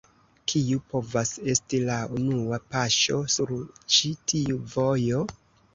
Kiu povas esti la unua paŝo sur ĉi tiu vojo?